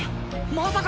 まさか！